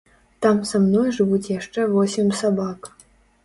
Там са мной жывуць яшчэ восем сабак.